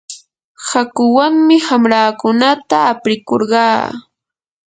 hakuwanmi wamraakunata aprikurqaa.